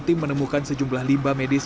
tim menemukan sejumlah limbah medis